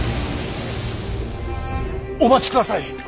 お待ちください。